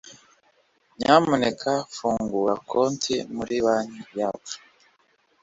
Nyamuneka fungura konti muri banki yacu.